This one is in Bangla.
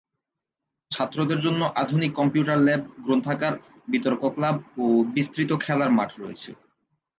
ছাত্রদের জন্য আধুনিক কম্পিউটার ল্যাব, গ্রন্থাগার, বিতর্ক ক্লাব ও বিস্তৃত খেলার মাঠ রয়েছে।